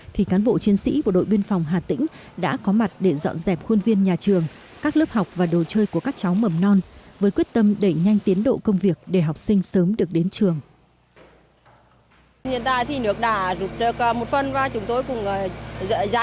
thì cán bộ chiến sĩ bộ đội biên phòng hà tĩnh đã có mặt để dọn dẹp khuôn viên nhà trường các lớp học và đồ chơi của các cháu mầm non với quyết tâm đẩy nhanh tiến độ công việc để học sinh sớm được đến trường